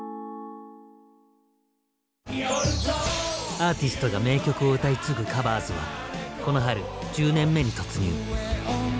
アーティストが名曲を歌い継ぐ「カバーズ」はこの春１０年目に突入！